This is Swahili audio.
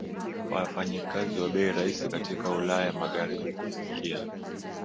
wafanyikazi wa bei rahisi katika Ulaya Magharibi Kusikia